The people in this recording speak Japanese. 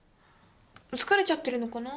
疲れちゃってるのかな？